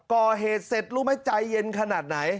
ก่อเหตุเสร็จรู้ไหมใจเย็นขนาดไหน